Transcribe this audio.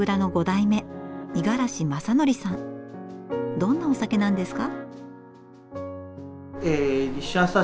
どんなお酒なんですか？